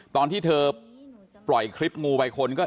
ตอนที่เธอปล่อยคลิปงูไปคนก็